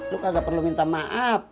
lu kagak perlu minta maaf